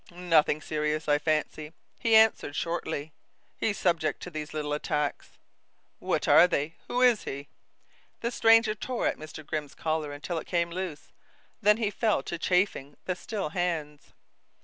"Nothing serious, I fancy," he answered shortly. "He's subject to these little attacks." "What are they? Who is he?" The stranger tore at Mr. Grimm's collar until it came loose, then he fell to chafing the still hands.